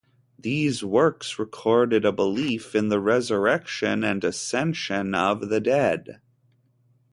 These works recorded a belief in the resurrection and ascension of the dead.